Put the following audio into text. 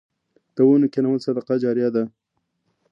د ونو کینول صدقه جاریه ده